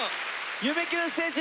「夢キュンステージ」！